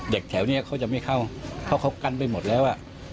แถวนี้เขาจะไม่เข้าเพราะเขากันไปหมดแล้ว